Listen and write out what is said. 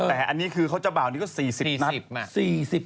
แต่อันนี้คือเขาจะบ่าวนี้ก็๔๐นัด